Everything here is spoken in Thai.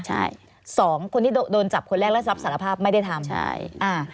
ใช่สองคนที่โดนจับคนแรกแล้วรับสารภาพไม่ได้ทำใช่อ่า